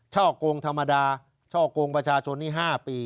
ช่อกงธรรมดาช่อกงประชาชนนี้๕ปี